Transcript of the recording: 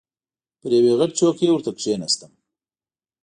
پر یوې غټه چوکۍ ورته کښېناستم.